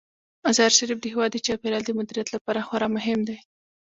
مزارشریف د هیواد د چاپیریال د مدیریت لپاره خورا مهم دی.